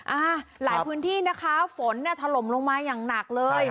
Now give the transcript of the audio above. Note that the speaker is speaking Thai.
อ่าหลายพื้นที่นะคะฝนเนี่ยถล่มลงมาอย่างหนักเลย